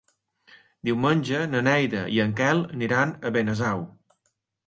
Diumenge na Neida i en Quel aniran a Benasau.